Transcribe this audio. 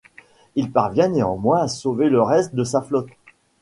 Il parvient néanmoins à sauver le reste de sa flotte.